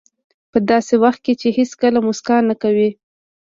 په داسې وخت کې چې هېڅکله موسکا نه کوئ.